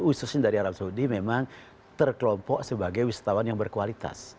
khususnya dari arab saudi memang terkelompok sebagai wisatawan yang berkualitas